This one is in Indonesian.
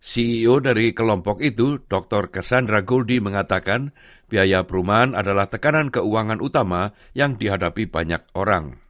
ceo dari kelompok itu dr cassandra goldie mengatakan biaya perumahan adalah tekanan keuangan utama yang dihadapi banyak orang